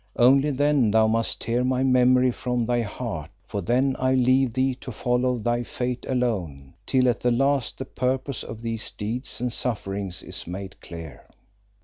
Only then thou must tear my memory from thy heart, for then I leave thee to follow thy fate alone, till at the last the purpose of these deeds and sufferings is made clear.